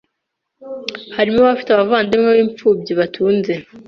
harimo abafite abavandimwe b’imfubyi batunze